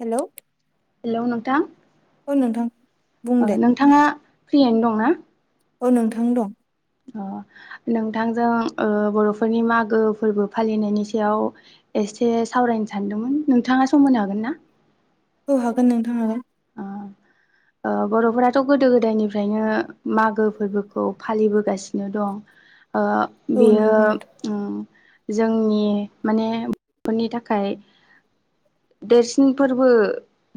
Hello hello नोंथां औ नोंथां बुं दे नोंथाङा फ्रियैनो दंना? औ नोंथां दं । अ नोंथांजों ओ बर'फोरनि मागो फोरबो फालिनायनि सायाव एसे सावरायनो सानदोंमोन नोंथाङा सम होनो हागोन ना? औ हागोन नोंथां हागोन । अ ओ बर'फोराथ' गोदो गोदायनिफ्रायनो मागो फोरबोखौ फालिबोगासिनो दं । ओ औ बेयो नंगौ नोंथां उम जोंनि माने बर'फोरनि थाखाय देरसिन फोरबो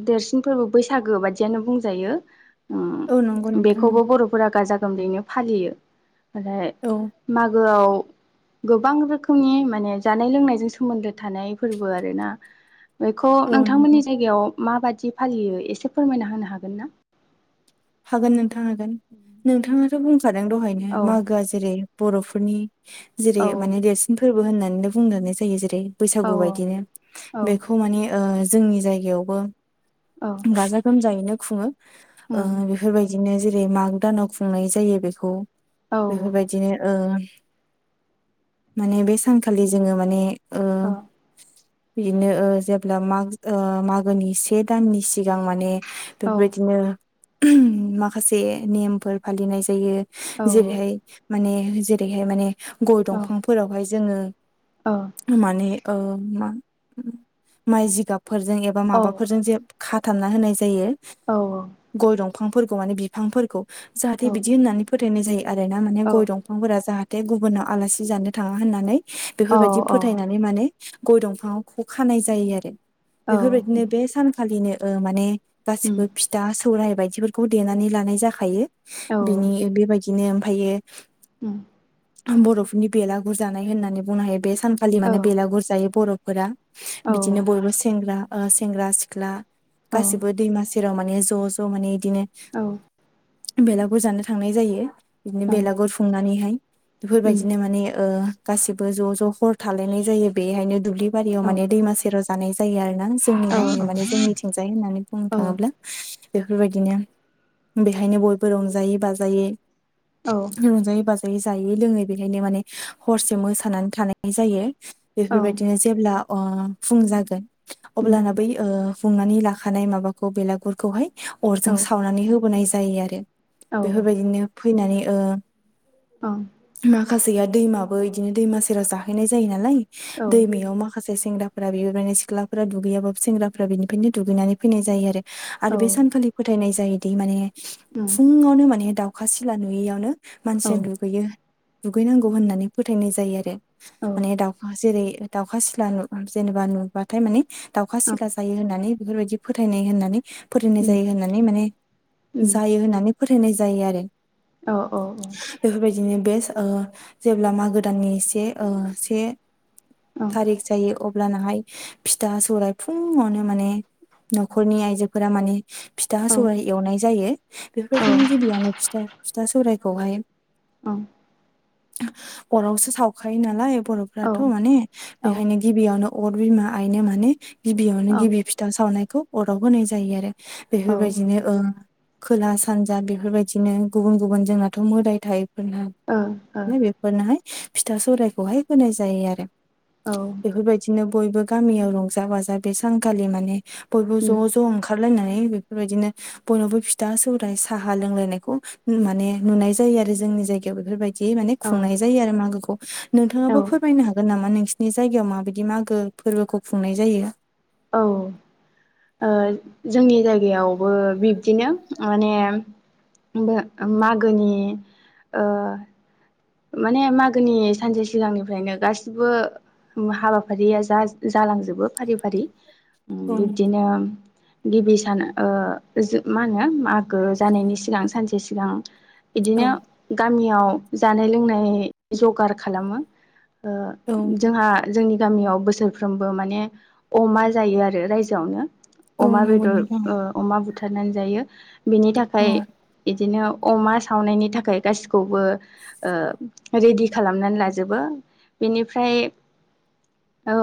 देरसिन फोरबो बैसागो बादियानो बुंजायो । उम औ नंगौ नोंथां बेखौबो बर'फोरा गाजा गोमजायैनो फालियो ओमफ्राय औ मागोआव गोबां रोखोमनि माने जानाय लोंनायजों सोमोन्दो थानाय फोरबो आर ना बेखौ औ नोंथांमोननि नंगौ जायगायाव माबादि फालियो एसे फोरमायना होनो हागोन ना? हागोन नोंथां हागोन नोंथाङाथ' बुंखादों दहायनो औ मागोआ जेरै बर'फोरनि औ जेरै माने देरसिन फोरबो होननानै बुंनानै जायो जेरै जे बैसागु औ बायदिनो औ बेखौ माने ओ जोंनि जायगायावबो औ गाजा गोमजायैनो खुङो ओ उम बिदिनो जेरै माग दानाव खुंनाय जायो बेखौ औ बेफोरबायदिनो ओ माने बे सानखालि जोङो माने अ ओ बिदिनो ओ जेब्ला माग ओ मागोनि से दाननि सिगां माने औ बेफोरबायदिनो माखासे नेमफोर फालिनाय जायो औ जेरैहाय माने जेरैहाय माने गय औ दंफांफोरावहाय जोङो माने ओ मा माइ जिगाब फोरजों एबा औ औ माबाफोरजों जे खाथाबना होनाय जायो गय दं फांफोरखौ माने बिफांफोरखौ जाहाथे बिदि होननानै फोथायनाय जायो आरो ना माने औ गय दंफांफोरा जाहा थे गुबुनाव आलासि जानो थाङा होननानै औ बेफोरबायदि औ फोथायनानै माने गय दंफाङाव ख' खानाय जायो आरो औ बेफोरबायदिनो बे सानखालिनो ओ माने उम गासिबो फिथा सौराय बायदिफोरखौ देनानै लानाय जाखायो औ बिनि बेबायदि बिदिनो ओमफायो उम ओं बर'फोरनि बेलागुरजानाय होननानै बुंनो हायो बे सानखालि औ माने बेलागुर जायो बर'फोरा । औ बिदिनो बयबो सेंग्रा ओ सेंग्रा सिख्ला औ गासिबो दैमा सेराव माने नो ज' ज' माने इदिनो औ बेलागुर जानो थांनाय जायो बिदिनो उम बेलागुर खुंनानैहाय बेफोरबायदिनो माने ओ गासिबो ज' ज' हर थालायनाय जायो बेहायनो दुब्लि औ बारियाव माने दैमा सेराव जानाय जायो आरो नों जोंनि औ गावमियाव माने जोंनिथिंजाय होननानै औ बुंनो उम औ थांङोब्ला बेफोरबायदिनो बेहायनो बयबो रंजायै बाजायै औ रंजायै बाजा यै जायै लोंङै बेहायनो माने हरसे मोसानानै थानाय जायो। ओं औ औ उम बेफोरबायदिनो जेब्ला अ फुं जागोन अब्लाना बै ओ बुंनानै लाखानाय माबाखौ बेलागुरखौहाय अरजो औ साव होबोनाय जायो आरो बेफोरबायदिनो फैनानै ओ औ माखासेया दैमाबो बिदिनो दैमा सेराव जाहैनाय जायो नालाय औ ओं दैमायाव माखासे बे सेंग्राफोरा बेफोरबायदिनो सिख्लाफोरा दुगैयाबाबो सेंग्राफोरा बेनिफ्रायनो दुगैनानै फैनाय जायो आरो आरो बे सानखालि फोथायनाय जायोदि माने उम फुंङावनो माने दाउखा सिला नुयियावनो मानसिया दुगैयो दुगैनांगौ होननानै फोथायनाय जायो आरो माने दाउखा जेरै दाउखा सिला नु जेनेबा नुबाथाय माने दाउखा सिला जायो होननानै बेफोरबायदि फोथायनाय होननानै फोथायनाय जायो उम होननानै माने जायो होननानै फोथा होननाय जायो आरो । औ औ बिदिनो बेस जेब्ला मागो दाननि से ओ से थारिख जायो अब अब्लानाहाय फिथा सौरायाइ फुंङावनो माने न'खरनि आइजोफोरा माने फिथा सौवराइ एवनाय जायो। बेफोरबायदिनो गिबियावनो फिथा फिथा सौरायखौहाय अरावसो सावखायो नालाय ओं औ बर'फ्राथ' ओं माने औ बेखायनो गिबियावनो अर बिमा आइनो माने गिबियावनो औ गिबि ओं फिथा सावनायखौ अराव होनाय जायो आरो । औ बेफोरबायदिनो ओ खोला सानजा बेफोरबायदिनो गुबुन गुबुन जोंनाथ' मोदाय थायो नो बेफोरनोहाय फिथा सौरायखौहाय होनाय जायो आरो ओ ओ औ उम बेफोरबायदिनो बयबो गामियाव रंजा बाजा बे सानखालि माने बयबो ज' ज' ओंखारलायनानै बेफोरबायदिनो बयनावबो फिथा सौरायाइ साहा लोंलायनायखौ माने नुनाय जायो आरो जोंनि जायगायाव बेफोरबायदि दि माने खुंनाय औ जायो आरो मागोखौ औ नोंथांङाबो फोरमायनो हागोन नामा नों नोंसिनि जायगायाव माबायदि मागो फोरबोखौ खुंनाय जायो? औ ओ जोंनि जायगायावबो बिब्दिनो माने बे मागोनि ओ माने मागोनि सानसे सिगांनिफ्रायनो गासिबो उम हाबाफारिया जाजो-जालांजोबो फारि फारि औ बिब्दिनो गिबि सान ओ जों माहोनो मागो जानायनि सिगां सानसे सिगां औ बिदिनो गामियाव जानाय लोंनाय जगार खालामो ओ औ जोंहा जोंनि गामियाव बोसोरफ्रोमबो माने अमा जायो आरो रायजोआवनो औ अमा नंगौ बेदर नोंथां ओ अमा बुथारनानै जायो बेनि थाखाय औ इदिनो अमा सावनायनि थाखाय गासिखौबो ओ रिदि खालामनानै लाजोबो बेनिफ्राय औ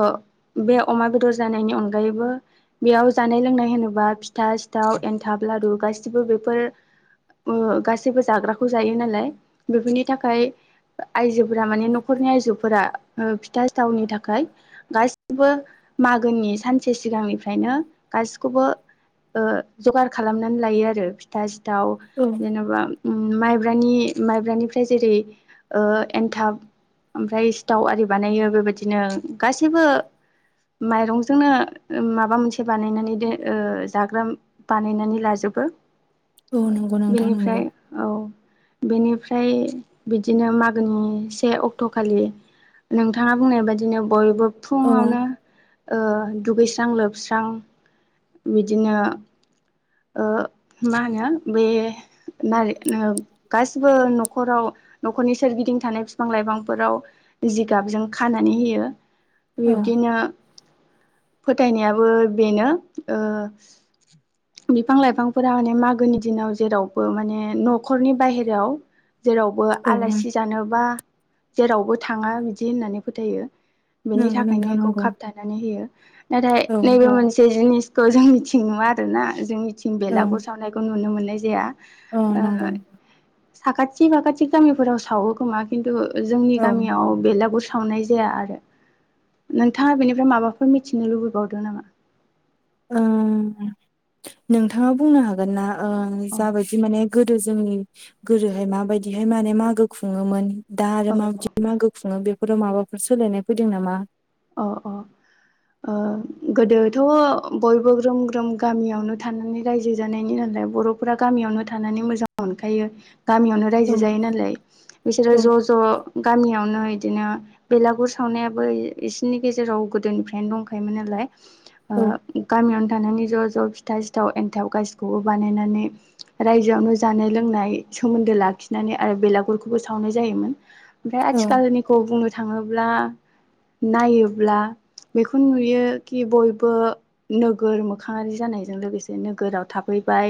बे अमा बेदर जानायनि अनगायैबो बेयाव जानाय लोंनाय होनोबा फि फिथा सिथाव एन्थाब लारु गासिबो बेफोर गासैबो जाग्राखौ जायो नालाय बेफोरनि थाखाय आइजोफोरा माने न'खरनि आइजोफोरा फिथा सिथावनि थाखाय गासिबो मागोनि सानसे सिगांनिफ्रायनो गासिखौबो जगार खालामनानै लायो आरो फिथा सिथाव औ जेनबा माइब्रानि माइब्रानि फि- निफाय जेरै एनथाब ओमफ्राय सिथाव आरि बानायो बेबायदिनो गासैबो माइरंजोंनो माबा मोनसे बानायनानै जाग्रा बानायनानै लाजोब- बो औ नंगौ नोंथां बिनिफ्राय नंगौ औ बेनिफ्राय बिदिनो मागोनि से अक्ट'खालि नोंथाङा बुंनाय बायदिनो बयबो औ फुङावनो दुगैस्रां लोबस्रां बिदिनो मा होनो बे गासिबो न'खराव न'खरनि सोरगिदिं थानाय बिफां लाइफांफोराव जिगाबजों खानानै होयो औ बिब्दिनो फोथायनायाबो बेनो बिफां लाइफांफोरा माने मागोनि दिनाव जेरावबो माने न'खरनि बाहेरायाव जेरावबो औ आलासि जानोबा जेरावबो थाङा बिदि होननानै फोथायो बेनि नंगौ थाखायनो नोंथां बेखौ नंगौ खाबथानानै होयो नाथाय औ नैबे मोनसे जिनिस खौ जोंनिथिं नुवा आरोना जोंनिथिं बेलागुर सावनायखौ नुनो मोननाय जाया अ ओ नंगौ साखाथि फाखाथि गामिफोराव सावो खोमा खिन्थु जोंनि औ गामियाव बेलागुर सावनाय जाया आरो नोंथाङा बेनिफ्राय माबाफोर मिथिनो लुबैबावदों नामा नोंथाङा बुंनो हागोन ना औ जाबायदि माने गो- दो जोंनि गोदोहाय माबायदिहाय माने मागो खुङोमोन दा आरो औ माबायदि मागो खुङो बेफोराव माबाफोर सोलायनाय फैदों नामा अ अ गोदोथ' बयबो ग्रोम ग्रोम गामियावनो थानानै रायजो जानायनि होन- बर'फोरा गामियावनो थानानै मोजां मोनखायो गामियावनो औ रायजो जायो नालाय बिसोरो ज' ज' गामियावनो इदिनो बेलागुर सावनायाबो बिसिनि गेजेराव गोदोनिफ्रायनो दंखायोमोन नालाय गामियाव- नो थानानै ज' ज' फिथा सिथाव एन्थाव गासिखौबो बानायनानै रायजोआवनो जानाय लोंनाय सोमोन्दो लाखिनानै आरो बेलागुरखौबो सावनाय जायोमोन ओमफ्राय औ आथिखालनिखौ बुंनो थाङोब्ला नायोब्ला बेखौ नुयो कि बयबो नोगोर मोखाङारि जानायजों लोगोसे नोगोराव थाफै- बाय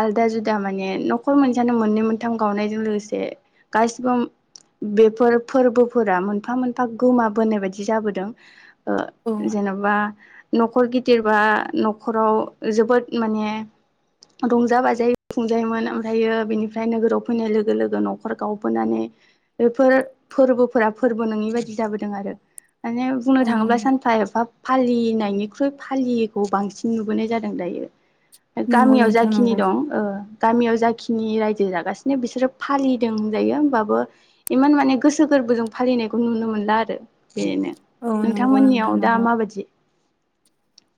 आलदा जुदा माने न'खर मोनसेयावनो मोननै मोनथाम गावनायजों लोगोसे गा- सिबो बेफोर फोरबोफोरा मोनफा मोनफा गोमा बोनाय बायदि जाबोदों जेन'बा था न'खर गिदिरबा न'खराव जोबोद माने रंजा बाजायै खुंजायोमोन ओमफायो बिनिफ्राय नोगोराव फैनाय लोगो लोगो न'खर गावबोनानै बेफोर फोरबोफोरा फोरबो नङि बायदि जाबोदों दों आरो माने बुंनो थाङोब्ला ओम सानफा एफा फालिनायनिख्रुइ फालियैखौ बांसिन नुबोनाय जादों दायो। ओ नंगौ गामियाव नोंथां जाखिनि नंगौ दं ओ गामियाव जाखिनि रायजो जागासिनो बिसोरो फालिदों होनजायो होमबाबो इमान माने गोसो गो बोजों फालिनायखौ नुनो मोनला आरो। बेनो औ नंगौ नोंथां नोंथांमोननियाव दा नंगौ माबायदि?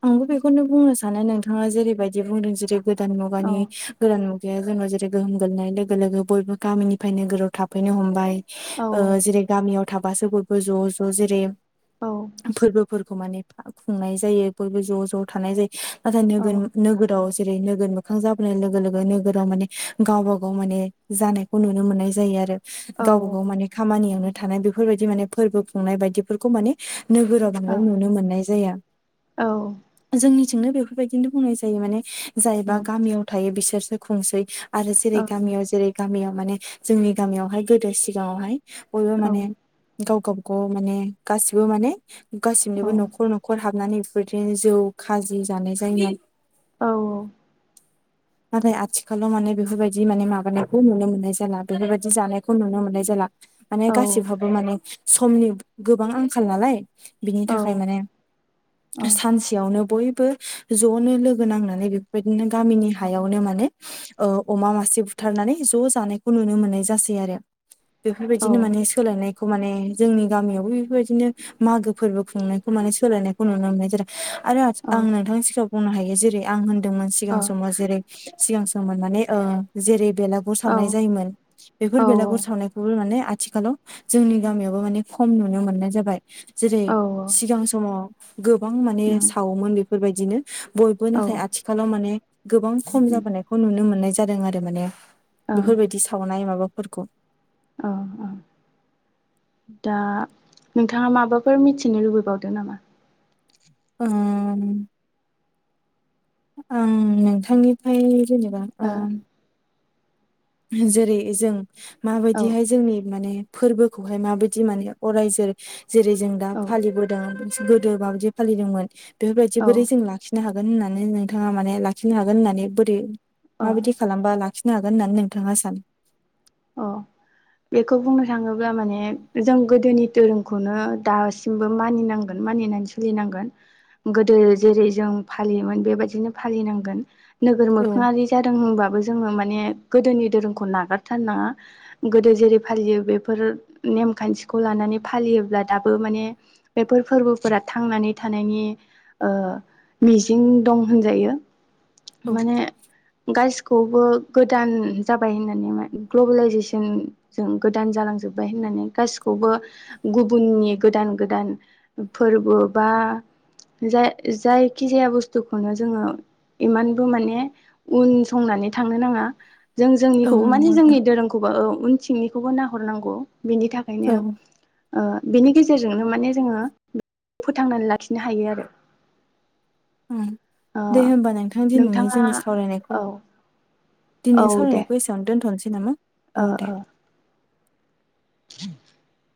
आंबो बेखौनो बुंनो सानो नोंथाङा जेरैबायदि बुंदों जेरै गोदान औ मुगानि गोदान मु गाया जोंनाव जेरै गोहोम गोग्लैनाय लोगो लोगो बयबो गामिनिफ्राय नोगोराव थाफैनो हमबाय। औ ओ जेरै गामियाव थाबासो बयबो ज' ज' जेरै औ फोरबो फोरखौ माने खुंनाय जायो बयबो ज' ज' थानाय जायो नाथाय औ नोगोर नोगोराव जेरै नोगोर मोखां जाबोनाय लोगो लोगो नोगोराव माने गावबा गाव माने जानायखौ नुनो मोननाय जायो आरो। औ गावबा गाव माने खामानियावनो थानाय बेफोरबायदि माने फोरबो खुंनाय बायदिफोरखौ माने नोगोराव औ बांद्राय नुनो मोननाय जाया। औ। जोंनिथिंनो बेफोरबायदिनो बुंनाय जायो माने जायबा औ गामियाव थायो बिसोरसो खुंसै। आरो औ जेरै गामियाव जेरै गामियाव माने जोंनि गामियावहाय गोदो सिगाङावहाय बयबो माने गाव गावबा गाव माने गासिबो माने गासिनिबो न'खर न'खर हाबनानै बेफोरदिनो जौ खाजि जानाय जायो। औ औ। नाथाय आथिखालाव माने बेफोरबायदि माने माबानायखौ नुनो मोननाय जाला बेफोरबायदि जानायखौ नुनो मोननाय जाला। माने औ गासिहाबो माने समनि गोबां आंखाल नालाय। बिनि थाखाय माने सानसेयावनो बय बो ज'नो लोगो नांनानै बेफोरबायदिनो गामिनि हायावनो माने ओ अमा मासे बुथारनानै ज' जानायखौ नुनो मोननाय जासै आरो। बेफोरबायदिनो माने सोलायनाय खौ माने जोंनि गामियावबो बेफोरबायदिनो मागो फोरबो खुंनायखौ माने सोलायनायखौ नुनो मोनबाय जेरै आरो औ आं नोंथांनि सिगाङाव बुंनो हायो जेरै आं होन्दोंमोन सिगां समाव [unintelligible] सिगां सममोन माने ओ जेरै बेलागुर सावनाय जायोमोन बेफोर बेलागुर सावनायखौबो माने आ थिखालाव जोंनि गामियावबो माने खम नुनो मोननाय जाबाय जेरै औ सिगां समाव गोबां माने सावोमोन बेफोरबायदिनो बयबो नाथाय आथिखालाव माने गोबां खम जाबोनायखौ नुनो मोननाय जादों आरो माने बेफोरबायदि सावनाय माबा फोरखौ। औ औ। दा नोंथाङा माबाफोर मिथिनो लुबैबावदों नामा? ओम आं नोंथांनिफ्राय जेनेबा ओम जेरै जों ओ माबायदिहाय जोंनि माने फोरबोखौहाय माबायदि माने अराय जोर जेरै जों दा औ फालिबोदों। गोदो माबायदि फालिदोंमोन बेफोरबायदि औ बोरै जों लाखिनो हा गोन होननानै नोंथाङा माने लाखिनो हागोन होन्नानै बोरै अ माबायदि खालामबा लाखिनो हागोन होननानै नों थाङा सानो? औ। बेखौ बुंनो थाङोब्ला माने जों गोदोनि धोरोमखौनो दासिमबो मानिनांगोन। मानिनानै सोलिनांगोन गोदो जेरै जों फालियोमोन बेबायदिनो फालिनांगोन। नोगोर औ मोखाङारि जादों होनबाबो जोङो माने गोदोनि धोरोमखौ नागार थारनाङा गोदो जेरै फालियो बेफोर नेम खान्थिखौ लानानै फालियोब्ला दाबो माने बेफोर फोरबोफोरा थांनानै थानायनि ओ मिजिं दं होनजायो। औ माने गासिखौबो गोदान जाबाय होननानै मा ग्लबेलाइजेसन जों गोदान जालांजोब्बाय होननानै गासिखौबो गुबुननि गोदान गोदान फोरबो बा जाय जायखि जाया बुस्थुखौनो जोङो। इमानबो माने उन संनानै थांनो नाङा। जों औ जोंनिखौबो माने नंगौ नोंथां जोंनि धोरोमखौबो उनथिंनिखौबो नाहरनांगौ। बिनि थाखायनो। औ ओ बिनि गेजेरजोंनो माने जोङो बे फोथांनानै लाखिनो हायो आरो। उम ओ दे होमबा नोंथां दिनैनि नोंथाङा जोंनि सावरायनायखौ औ दिनै सावरायनायखौ एसेयावनो दोनथ'नोसै नामा? औ दे औ-औ। [inaudible]